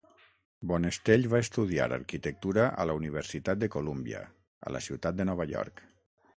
Bonestell va estudiar arquitectura a la Universitat de Columbia, a la ciutat de Nova York.